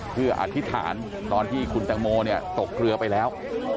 เพื่ออธิษฐานตอนที่คุณแตงโมตกเรือไปแล้ว